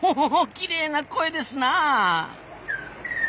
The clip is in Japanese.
きれいな声ですなあ。